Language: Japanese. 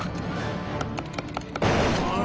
ああ。